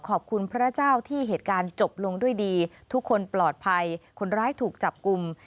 พระเจ้าที่เหตุการณ์จบลงด้วยดีทุกคนปลอดภัยคนร้ายถูกจับกลุ่ม